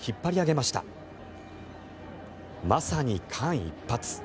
まさに間一髪。